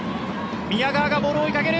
宮川がボールを追いかける。